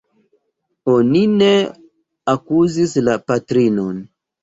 Oni ne akuzis la patrinon.